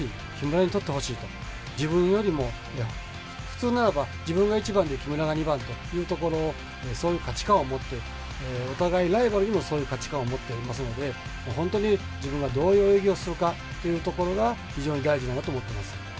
普通ならば自分が１番で木村が２番というところをそういう価値観を持ってお互いライバルにもそういう価値観を持っていますので本当に自分がどういう泳ぎをするかというところが非常に大事だなと思っています。